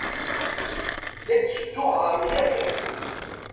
La ttedduɣ ɣer unafag.